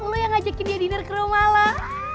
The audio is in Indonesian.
lo yang ngajakin dia dinner ke rumah lah